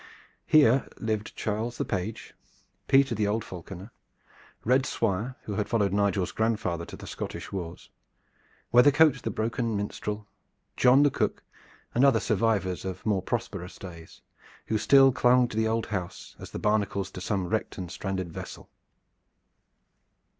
Here lived Charles the page, Peter the old falconer, Red Swire who had followed Nigel's grandfather to the Scottish wars, Weathercote the broken minstrel, John the cook, and other survivors of more prosperous days, who still clung to the old house as the barnacles to some wrecked and stranded vessel.